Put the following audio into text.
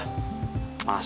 ya ikhlas lah pak